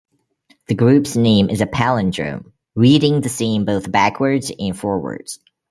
The group's name is a palindrome, reading the same both backwards and forwards.